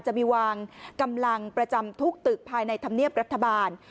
จะมีวางกำลังประจำทุกตึกภายในธรรมเนียบรัฐบาล